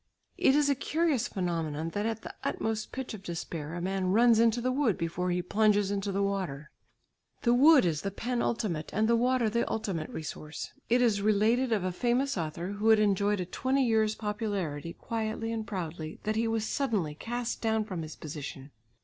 It is a curious phenomenon that at the utmost pitch of despair a man runs into the wood before he plunges into the water. The wood is the penultimate and the water the ultimate resource. It is related of a famous author, who had enjoyed a twenty years' popularity quietly and proudly, that he was suddenly cast down from his position.